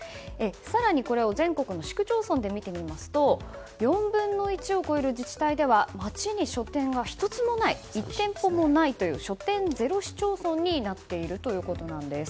更に、これを全国の市区町村で見てみますと４分の１を超える自治体では街に書店が１店舗もないという書店ゼロ市町村になっているということなんです。